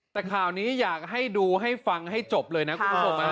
แต่ข่าวนี้อยากให้ดูให้ฟังให้จบเลยนะคุณผู้ชม